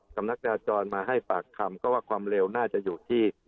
สำนักจราจรมาให้ปากคำก็ว่าความเร็วน่าจะอยู่ที่